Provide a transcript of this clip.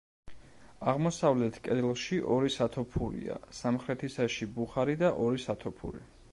აღმოსავლეთ კედელში ორი სათოფურია, სამხრეთისაში ბუხარი და ორი სათოფური.